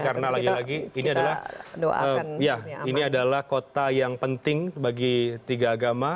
karena lagi lagi ini adalah kota yang penting bagi tiga agama